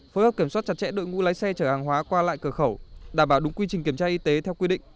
phối hợp kiểm soát chặt chẽ đội ngũ lái xe chở hàng hóa qua lại cửa khẩu đảm bảo đúng quy trình kiểm tra y tế theo quy định